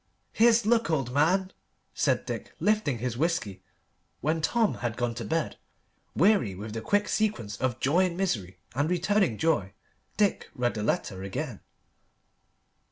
"Here's luck, old man!" said Dick, lifting his whisky. When Tom had gone to bed, weary with the quick sequence of joy and misery and returning joy, Dick read the letter again.